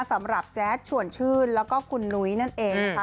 สำหรับแจ๊ดฉวนชื่นแล้วก็คุณหนุ๊ยนั่นเองค่ะ